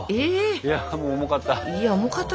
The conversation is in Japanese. いやもう重かった。